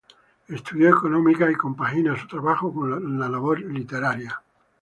Estudió económicas y compagina su trabajo con la labor literaria.